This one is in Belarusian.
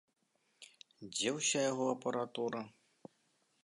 Дзе ўся яго апаратура?